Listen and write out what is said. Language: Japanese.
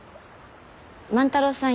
万太郎さん